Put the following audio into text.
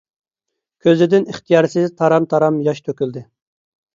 كۆزىدىن ئىختىيارسىز تارام - تارام ياش تۆكۈلدى.